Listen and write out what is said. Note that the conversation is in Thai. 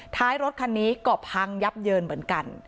ท้ายรถคันนี้ก็พังยับเยินเหมือนกัน